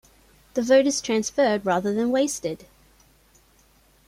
The vote is transferred rather than wasted.